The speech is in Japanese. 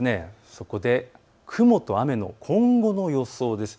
そこで雲と雨の今後の予想です。